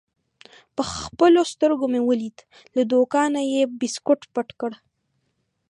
په خپلو سترګو مې ولید: له دوکانه یې بیسکویټ پټ کړل.